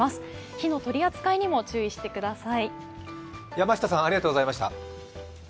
火の取り扱いにも注意してください。